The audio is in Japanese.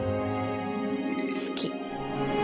好き。